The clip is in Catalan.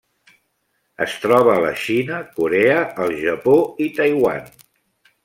Es troba a la Xina, Corea, el Japó i Taiwan.